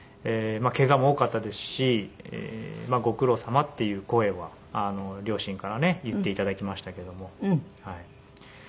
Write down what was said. ケガも多かったですしご苦労さまっていう声は両親からね言って頂きましたけども。